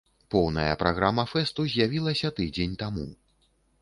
Поўная праграма фэсту з'явілася тыдзень таму.